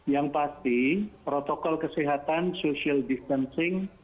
yang pasti protokol kesehatan social distancing